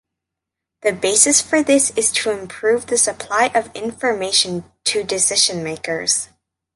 The basis for this is to improve the supply of information to decision-makers.